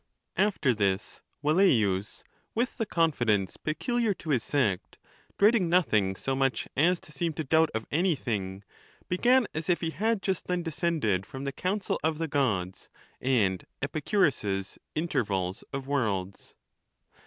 VIII. After this, Velleius, with the confidence peculiar to his sect, dreading nothing so much as to seem to doubt of anything, began as if he had just then descended from th£ council of the Gods, and Epicurus's intervals of worlds.